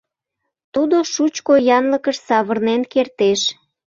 Тудо шучко янлыкыш савырнен кертеш.